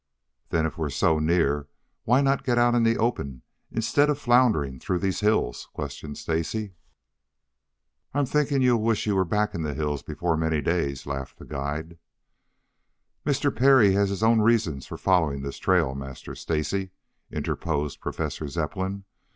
"Then, if we're so near, why not get out in the open, instead of floundering through these hills?" questioned Stacy. "I'm thinking you'll wish you were back in the hills before many days," laughed the guide. "Mr. Parry has his own reasons for following this trail, Master Stacy," interposed Professor Zepplin.